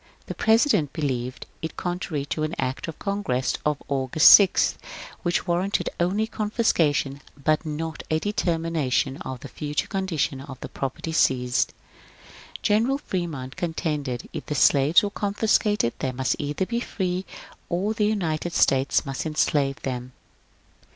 The Pre sident believed it contrary to an Act of Congress of August 6, which warranted only confiscation, but not a determination of the future condition of the property seized. General Fremont contended that if the slaves were confiscated they must either be free or the United States must enslave them.